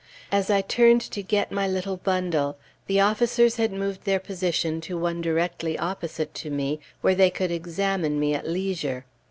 As I turned to get my little bundle, the officers had moved their position to one directly opposite to me, where they could examine me at leisure.